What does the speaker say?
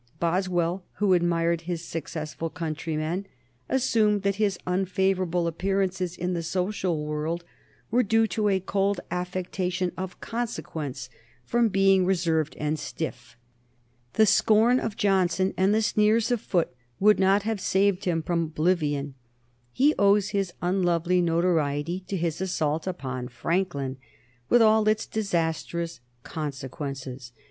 Boswell, who admired his successful countryman, assumed that his unfavorable appearances in the social world were due to a cold affectation of consequence, from being reserved and stiff. The scorn of Johnson and the sneers of Foote would not have saved him from oblivion; he owes his unlovely notoriety to his assault upon Franklin, with all its disastrous consequences.